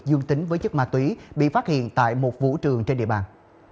dương tính với chất ma túy bị phát hiện tại một vũ trường trên địa bàn